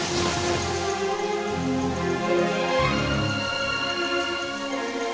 jangan sampai kagum kagum insan percaya kagum